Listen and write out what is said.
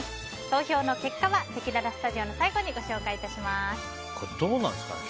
投票の結果はせきららスタジオの最後にどうなんですかね。